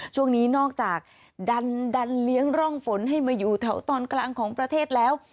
ช่วงนี้นอกจากดันเลี้ยงร่องฝนให้มาอยู่แถวตอนกลางของประเทศแล้ว